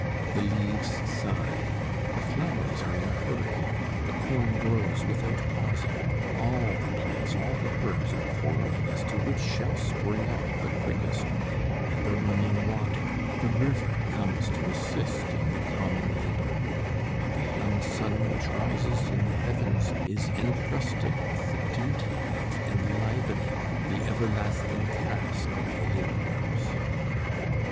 The leaves sigh, the flowers are in a hurry, the corn grows without pausing; all the plants, all the herbs are quarrelling as to which shall spring up the quickest; and the running water, the river comes to assist in the common labour, and the young sun which rises in the heavens is entrusted with the duty of enlivening the everlasting task of the labourers."